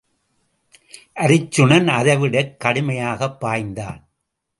அருச்சுனன் அதைவிடக் கடுமையாகப் பாய்ந்தான்.